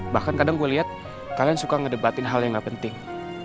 bahkan kadang gue liat kalian suka ngedebatin hal yang gak penting